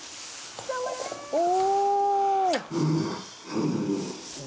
お！